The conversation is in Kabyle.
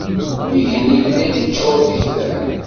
Igenni yella yeččur d itran.